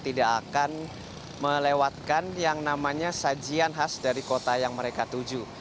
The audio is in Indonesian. tidak akan melewatkan yang namanya sajian khas dari kota yang mereka tuju